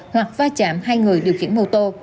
hoặc va chạm hai người điều khiển mô tô